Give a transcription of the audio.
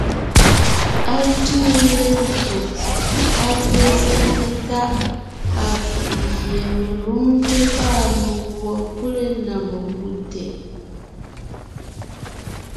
Á tʉʉ lelÿò, á té zɛ́te Táʼ, afʉ̀ʼ gie melúmte pâ meguɔ pʉlé (na mekú) tɛʼ.